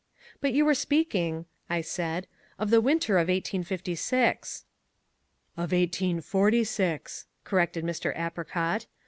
"But you were speaking," I said, "of the winter of eighteen fifty six." "Of eighteen forty six," corrected Mr. Apricot.